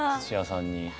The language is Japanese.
土屋さんに。